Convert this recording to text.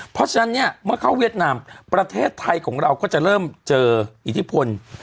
เพราะฉะนั้นเนี่ยเมื่อเข้าเวียดนามประเทศไทยของเราก็จะเริ่มเจออิทธิพล